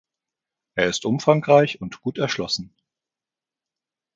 Er ist umfangreich und gut erschlossen.